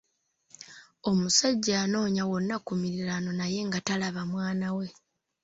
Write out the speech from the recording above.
Omusajja yanoonya wonna ku miriraano naye nga talaba mwana we.